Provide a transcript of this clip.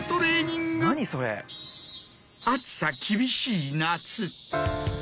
暑さ厳しい夏。